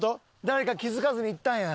誰か気づかずに行ったんや。